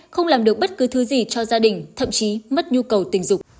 không làm được bất cứ thứ gì cho gia đình thậm chí mất nhu cầu tình dục